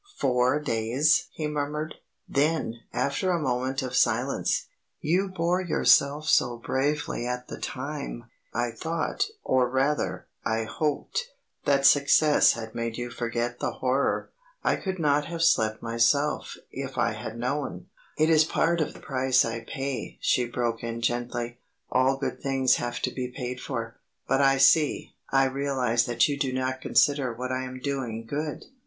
"Four days!" he murmured. Then, after a moment of silence, "You bore yourself so bravely at the time, I thought, or rather, I hoped, that success had made you forget the horror. I could not have slept myself, if I had known " "It is part of the price I pay," she broke in gently. "All good things have to be paid for. But I see I realize that you do not consider what I am doing good.